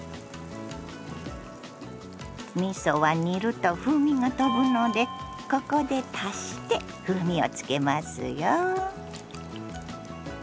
みそは煮ると風味がとぶのでここで足して風味をつけますよ。